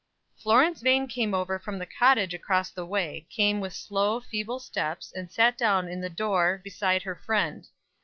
Florence Vane came over from the cottage across the way came with slow, feeble steps, and sat down in the door beside her friend.